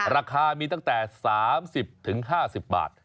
ราคามีตั้งแต่๓๐๕๐บาท